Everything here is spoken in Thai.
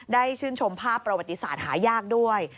ชื่นชมภาพประวัติศาสตร์หายากด้วย